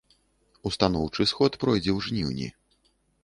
Устаноўчы сход пройдзе ў жніўні.